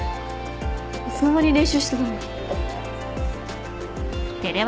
いつの間に練習してたの？